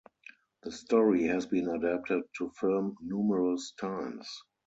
This story has been adapted to film numerous times.